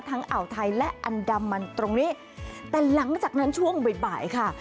อ่าวไทยและอันดามันตรงนี้แต่หลังจากนั้นช่วงบ่ายบ่ายค่ะ